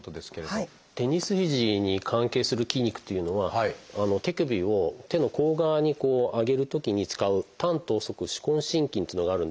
テニス肘に関係する筋肉というのは手首を手の甲側にこう上げるときに使う短橈側手根伸筋というのがあるんですが。